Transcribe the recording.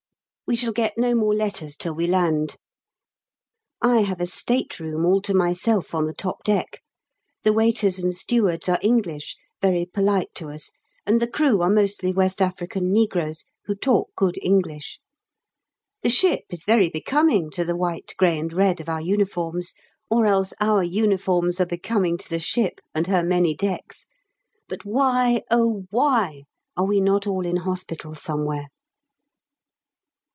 We shall get no more letters till we land. I have a "State room" all to myself on the top deck; the waiters and stewards are English, very polite to us, and the crew are mostly West African negroes, who talk good English. The ship is very becoming to the white, grey, and red of our uniforms, or else our uniforms are becoming to the ship, and her many decks; but why, oh why, are we not all in hospital somewhere?